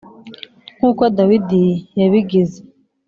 Nk’uko Dawudi yabigize,